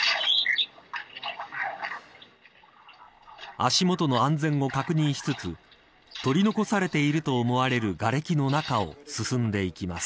足元の安全を確認しつつ取り残されていると思われるがれきの中を進んでいきます。